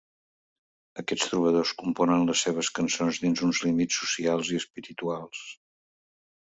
Aquests trobadors componen les seves cançons dins uns límits socials i espirituals.